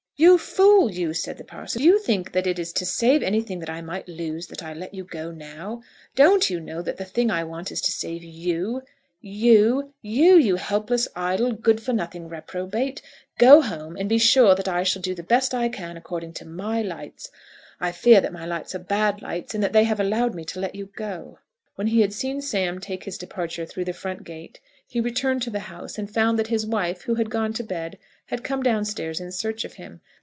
"You fool, you!" said the parson. "Do you think that it is to save anything that I might lose, that I let you go now? Don't you know that the thing I want to save is you, you, you; you helpless, idle, good for nothing reprobate? Go home, and be sure that I shall do the best I can according to my lights. I fear that my lights are bad lights, in that they have allowed me to let you go." When he had seen Sam take his departure through the front gate, he returned to the house, and found that his wife, who had gone to bed, had come down stairs in search of him.